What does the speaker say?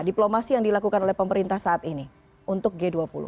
diplomasi yang dilakukan oleh pemerintah saat ini untuk g dua puluh